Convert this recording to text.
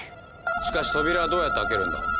しかし扉はどうやって開けるんだ。